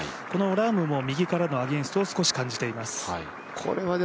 このラームも右からのアゲンストを少し感じています。